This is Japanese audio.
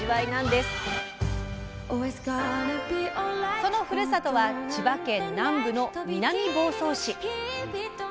そのふるさとは千葉県南部の南房総市。